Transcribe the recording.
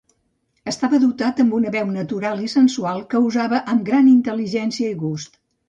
Estava dotat amb una veu natural i sensual que usava amb gran intel·ligència i gust.